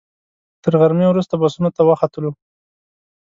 تر غرمې وروسته بسونو ته وختلو.